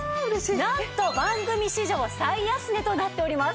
なんと番組史上最安値となっております。